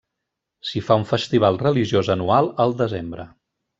S'hi fa un festival religiós anual al desembre.